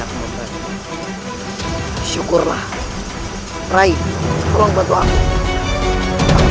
aku harus menghadapi